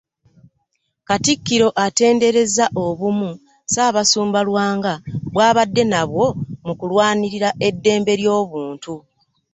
Katikkiro atenderezza obumu Ssaabasumba Lwanga bw'abadde nabwo mu kulwanirira eddembe ly'obuntu.